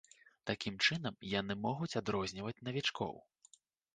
Такім чынам яны могуць адрозніваць навічкоў.